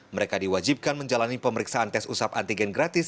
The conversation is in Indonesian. mereka diwajibkan menjalani pemeriksaan tes usap antigen gratis